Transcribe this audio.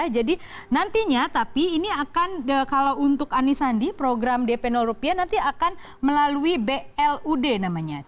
jadi nantinya tapi ini akan kalau untuk anies sandi program dp rupiah nanti akan melalui blud namanya